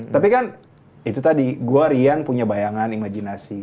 tapi kan itu tadi gue riang punya bayangan imajinasi